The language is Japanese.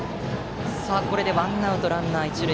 これでワンアウトランナー、一塁。